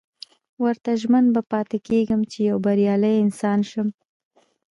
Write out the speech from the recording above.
ورته ژمن به پاتې کېږم چې يو بريالی انسان شم.